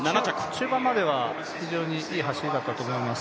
中盤までは非常にいい走りだったと思います。